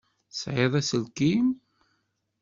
Tesεiḍ aselkim?